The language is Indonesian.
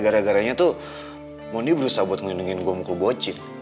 gara garanya tuh mondi berusaha buat ngendengin gue mukul bocin